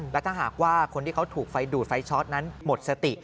และถ้าหากว่าคนที่เขาถูกไฟดูดไฟช็อตนั้นหมดสติ